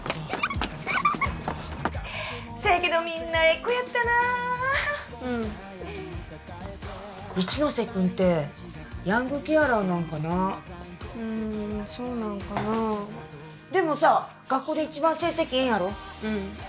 せやけどみんなええ子やったなあうん一ノ瀬君ってヤングケアラーなんかなうんそうなんかなあでもさ学校で一番成績ええんやろうん